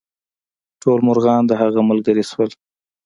ټول مرغان د هغه ملګري شول.